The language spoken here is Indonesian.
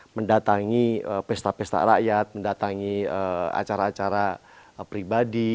mendatangi pesta pesta rakyat mendatangi acara acara pribadi